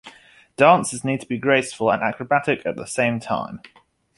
Dancers need to be graceful and acrobatic at the same time.